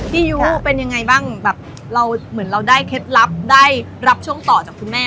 ยุเป็นยังไงบ้างแบบเราเหมือนเราได้เคล็ดลับได้รับช่วงต่อจากคุณแม่